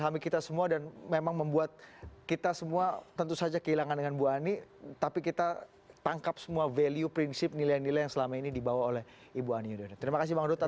kami akan segera kembali untuk berbicara dengan bang ruhut